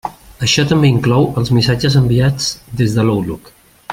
Això també inclou els missatges enviats des de l'Outlook.